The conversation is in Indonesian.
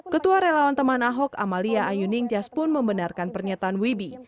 ketua relawan teman ahok amalia ayuning jas pun membenarkan pernyataan wibi